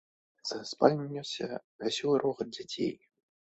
З спальні нёсся вясёлы рогат дзяцей.